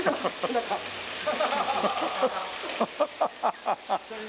ハハハハハ。